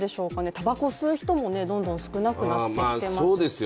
たばこを吸う人もどんどん少なくなってきてますし。